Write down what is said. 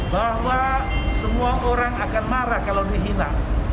bahwa semua orang akan marah kalau dihina